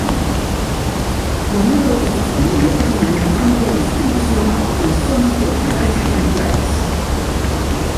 Los miembros de esta familia tienen una amplia distribución en zonas tropicales y templadas.